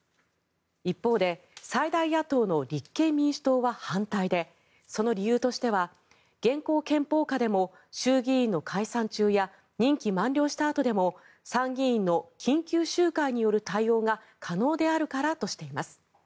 一方で、最大野党の立憲民主党は反対でその理由としては現行憲法下でも衆議院の解散中や任期満了したあとでも参議院の緊急集会による対応が可能であるからとしています。